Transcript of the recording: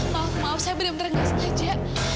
maaf maaf saya benar benar ngga senang aja